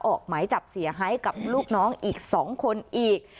ออกหมายจับเสียหายกับลูกน้องอีก๒คนอีก